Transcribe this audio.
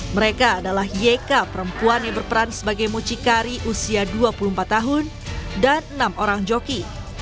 mereka adalah yk perempuan yang berperan sebagai mucikari usia dua puluh empat tahun dan enam orang joki